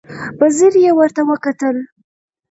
په ځير يې ورته وکتل.